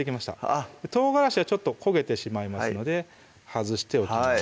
あっ唐辛子はちょっと焦げてしまいますので外しておきます